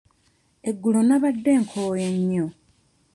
Eggulo nnabadde nkooye nnyo.